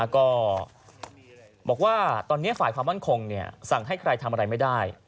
ก็บอกว่าตอนนี้ฝ่ายความมั่นคงสั่งให้ใครทำอะไรไม่ได้